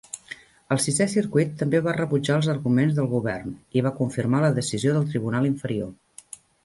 El Sisè Circuit també va rebutjar els arguments del Govern i va confirmar la decisió del tribunal inferior.